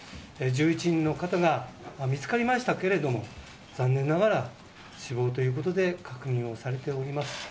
１１人の方が見つかりましたけれども残念ながら、死亡ということで確認されております。